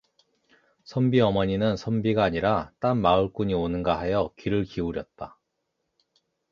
선비 어머니는 선비가 아니라 딴 마을꾼이 오는가 하여 귀를 기울였다.